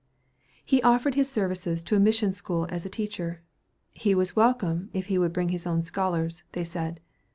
He offered his services to a mission school as a teacher. "He was welcome, if he would bring his own scholars," they said.